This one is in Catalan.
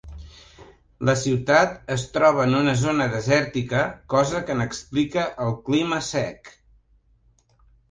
La ciutat es troba en una zona desèrtica, cosa que n'explica el clima sec.